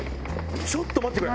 ちょっと待ってくれ。